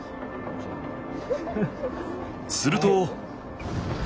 すると。